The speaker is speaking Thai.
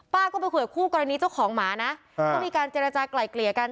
ป้าก็ไปคุยกับคู่กรณีเจ้าของหมานะก็มีการเจรจากลายเกลี่ยกัน